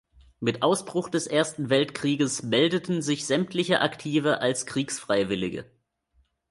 Mit Ausbruch des Ersten Weltkrieges meldeten sich sämtliche Aktive als Kriegsfreiwillige.